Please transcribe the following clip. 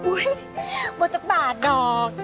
โอ้โฮไม่จักรบาทหรอก